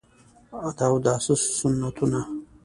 د اوداسه سنتونه: